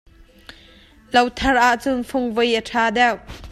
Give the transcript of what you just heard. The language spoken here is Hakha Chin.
Lo thar ah cun fangvoi a ṭha deuh.